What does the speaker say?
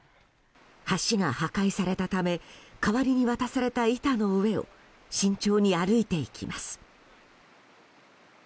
橋が破壊されたため代わりに渡された板の上を慎重に歩いていきます。